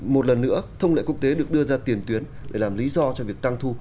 một lần nữa thông lệ quốc tế được đưa ra tiền tuyến để làm lý do cho việc tăng thu